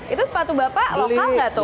itu sepatu bapak lokal nggak tuh